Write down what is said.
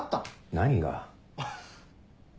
何が？